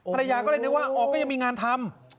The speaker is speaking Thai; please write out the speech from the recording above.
ภรรยาก็เลยนึกว่าอ๋อก็ยังมีงานทำ